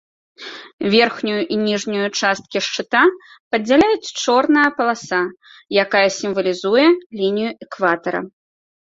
Верхнюю і ніжнюю часткі шчыта падзяляюць чорная паласа, якая сімвалізуе лінію экватара.